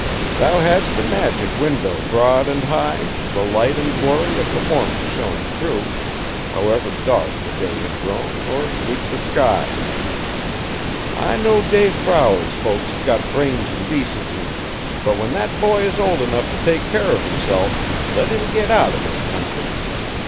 Thou hadst a magic window broad and high The light and glory of the morning shone Thro' it, however dark the day had grown, Or bleak the sky. 'I know Dave Brower's folks hev got brains an' decency, but when thet boy is old enough t' take care uv himself, let him git out o' this country.